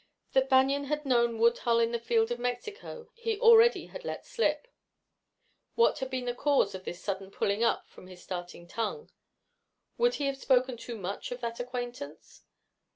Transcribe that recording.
That Banion had known Woodhull in the field in Mexico he already had let slip. What had been the cause of his sudden pulling up of his starting tongue? Would he have spoken too much of that acquaintance?